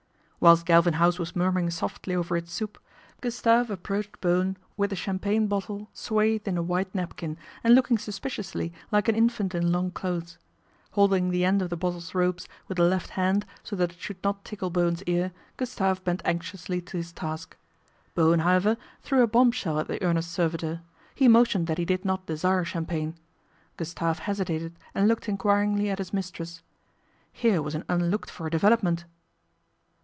Whilst Galvin House was murmuring softly over its soup, Gustave approached Bowen with the champagne bottle swathed in a white napkin, and looking suspiciously like an infant in long clothes. Holding the end of the bottle's robes with the left GALVIN HOUSE MEETS A LORD 199 hand so that it should not tickle Bowen's ear, Gustave bent anxiously to his task. Bowen, however, threw a bomb shell at the earnest servitor. He motioned that he did not desire champagne. Gustave hesitated and looked enquiringly at his mistress. Here was an unlooked for development.